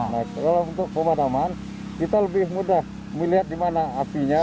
nah kalau untuk pemadaman kita lebih mudah melihat di mana apinya